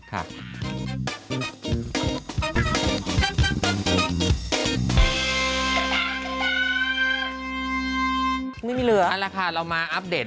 ไม่มีเหลือเอาละค่ะเรามาอัปเดต